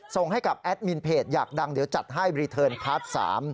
ส่งให้กับแอดมินเพจอยากดังเดี๋ยวจัดให้รีเทิร์นพาร์ท๓